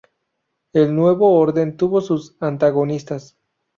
El nuevo orden tuvo sus antagonistas.